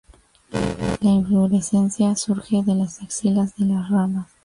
La inflorescencia surge de las axilas de las ramas.